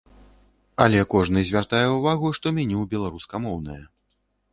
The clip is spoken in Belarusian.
Але кожны звяртае ўвагу, што меню беларускамоўнае.